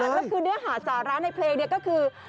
แล้วคือหาสาระในเพลงนี่ก็คือ